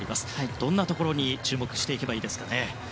どんなところに注目していけばいいですか。